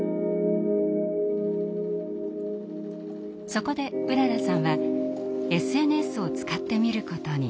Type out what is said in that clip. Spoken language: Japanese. そこでうららさんはＳＮＳを使ってみることに。